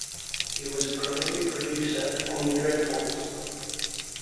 He was a prolific producer of penny dreadfuls.